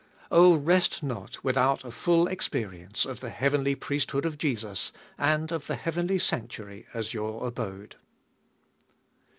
Oh, rest not without a full experience of the heavenly priesthood of Jesus, and of the heavenly sanctuary as your abode.